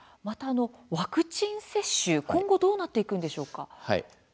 ワクチン接種今後どうなっていくんでしょうか。